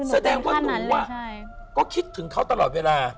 แสดงว่าหนูก็คิดถึงเขาตลอดเวลา